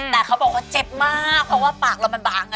แต่เขาบอกว่าเจ็บมากเพราะว่าปากเรามันบาง